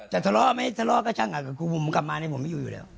จะทะเลาะไหมทะเลาะก็ช่างกับผมกลับมาให้ผมไม่อยู่อยู่แล้ว